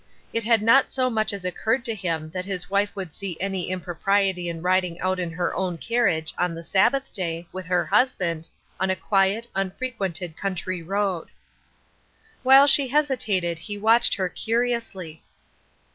It had not 80 much as occurred to him that his wife \vould see any impropriety in riding out in her own cairiage, on the Sabbath day, with her husband, on a quiet, unfrequented country road. While she hesitated he watched her curiously.